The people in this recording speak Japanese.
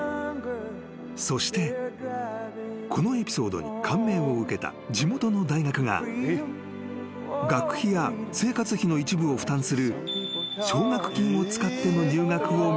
［そしてこのエピソードに感銘を受けた地元の大学が学費や生活費の一部を負担する］